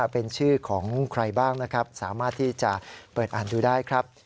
เป็นชื่อของใครบ้างนะครับสามารถที่จะเปิดอ่านดูได้ครับ